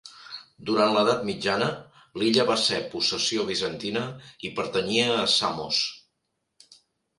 Durant l'edat mitjana, l'illa va ser possessió bizantina, i pertanyia a Samos.